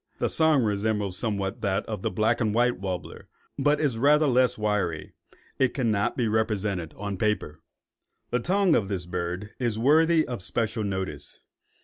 The song resembles somewhat that of the black and white warbler, but is rather less wiry. It cannot be represented on paper. The tongue of this bird is worthy of special notice.